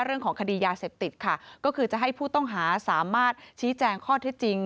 เรื่องของคดียาเสพติดค่ะก็คือจะให้ผู้ต้องหาสามารถชี้แจงข้อเท็จจริง